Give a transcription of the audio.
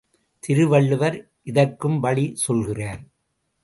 திருவள்ளுவர் இதற்கும் வழி சொல்கிறார்.